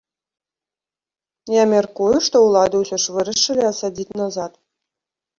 Я мяркую, што ўлады ўсё ж вырашылі асадзіць назад.